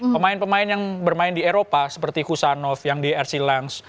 pemain pemain yang bermain di eropa seperti husanov yang di rc lens